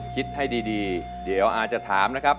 คิดให้ดีเดี๋ยวอาจะถามนะครับ